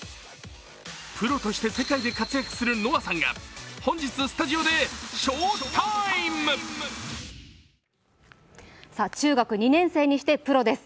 プロとして世界で活躍するＮＯＷＡさんが、本日、スタジオで「ＳＨＯＷＴＩＭＥ」！中学２年生にしてプロです。